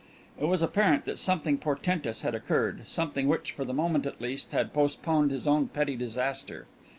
It was apparent that something portentous had occurred, something which, for the moment at least, had postponed his own petty disaster.